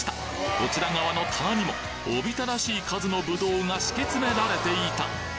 こちら側の棚にもおびただしい数のぶどうが敷き詰められていた！